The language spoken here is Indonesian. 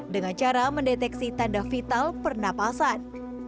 dengan cara mendeteksi tanda vital pernapasan